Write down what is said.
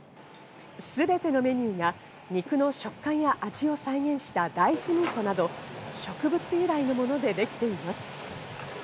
すべてのメニューが肉の食感や味を再現した大豆ミートなど植物由来のものでできています。